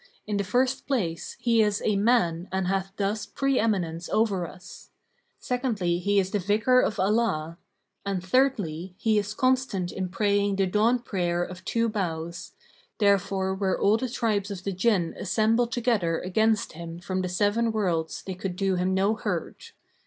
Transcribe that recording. In the first place, he is a man and hath thus pre eminence over us[FN#541]; secondly he is the Vicar of Allah; and thirdly, he is constant in praying the dawn prayer of two bows[FN#542]; therefore were all the tribes of the Jinn assembled together against him from the Seven Worlds they could do him no hurt.